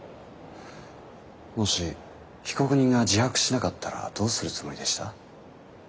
もし被告人が自白しなかったらどうするつもりでした？